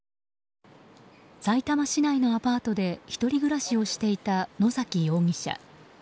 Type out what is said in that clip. さいたま市内のアパートで１人暮らしをしていた野崎容疑者。